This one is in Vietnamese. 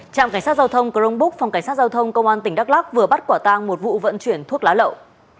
trạm cảnh sát giao thông crong book phòng cảnh sát giao thông công an tỉnh đắk lắc vừa bắt quả tang một vụ vận chuyển thuốc lá lậu